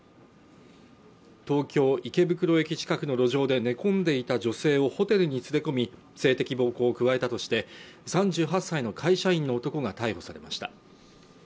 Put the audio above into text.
東京・池袋駅近くの路上で寝込んでいた女性をホテルに連れ込み性的暴行を加えたとして３８歳の会社員の男が逮捕されました